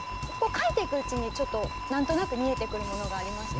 書いていくうちにちょっとなんとなく見えてくるものがありました。